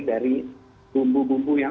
dari bumbu bumbu yang